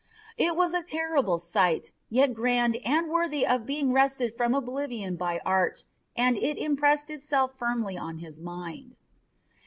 It was a terrible sight, yet grand and worthy of being wrested from oblivion by art, and it impressed itself firmly on his mind.